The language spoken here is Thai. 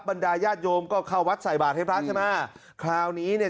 บรรดาญาติโยมก็เข้าวัดใส่บาทให้พระใช่ไหมคราวนี้เนี่ย